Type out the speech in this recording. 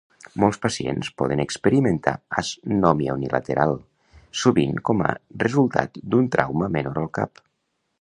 Molts pacients poden experimentar anòsmia unilateral, sovint com a resultat d'un trauma menor al cap.